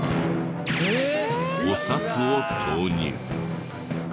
お札を投入。